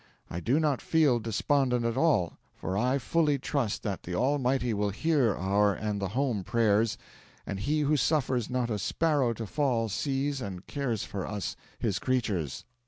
'I do not feel despondent at all, for I fully trust that the Almighty will hear our and the home prayers, and He who suffers not a sparrow to fall sees and cares for us, His creatures.'